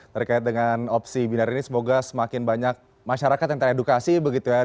terkait dengan opsi binar ini semoga semakin banyak masyarakat yang teredukasi begitu ya